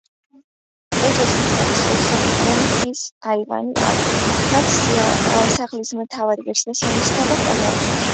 ეზოს მხარეს ორსართულიანი, ხის აივანი აქვს, რაც სახლის მთავარ ღირსშესანიშნაობას წარმოადგენს.